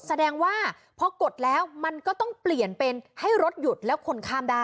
แสดงว่าพอกดแล้วมันก็ต้องเปลี่ยนเป็นให้รถหยุดแล้วคนข้ามได้